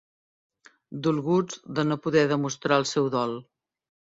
Dolguts de no poder demostrar el seu dol.